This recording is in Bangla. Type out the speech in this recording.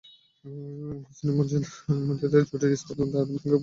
হোসেইনি এবং মোনতাজেরি জুটির ইস্পাতদৃঢ় দেয়াল ভাঙা প্রতিপক্ষের জন্য কঠিনই হবে বৈকি।